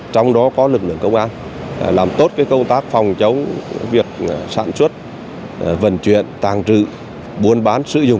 trong đó có lực lượng công an làm tốt công tác phòng chống việc sản xuất vận chuyển tàng trự buôn bán sử dụng